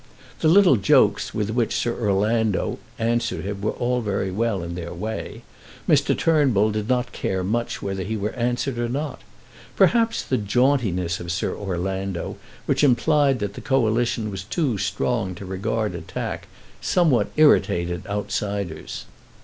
The little jokes with which Sir Orlando answered him were very well in their way. Mr. Turnbull did not care much whether he were answered or not. Perhaps the jauntiness of Sir Orlando, which implied that the Coalition was too strong to regard attack, somewhat irritated outsiders.